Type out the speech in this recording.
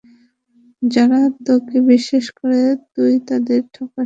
যারা তোকে বিশ্বাস করে তুই তাদের ঠকাস?